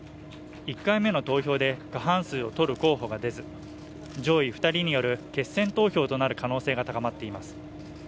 １回目の投票で過半数を取る候補が出ず上位二人による決選投票となる可能性が高まっています